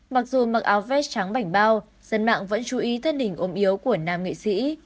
mặc dù mặc áo vest trắng bảnh bao dân mạng vẫn chú ý thân hình ốm yếu của nam nghệ sĩ